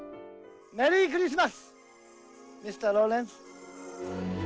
メリークリスマス、ミスターローレンス。